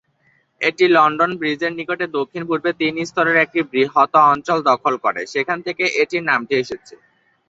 এটি লন্ডন ব্রিজের নিকটে দক্ষিণ-পূর্বে তিন স্তরের একটি বৃহত অঞ্চল দখল করে, সেখান থেকে এটির নামটি এসেছে।